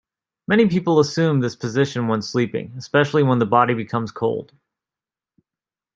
Many people assume this position when sleeping, especially when the body becomes cold.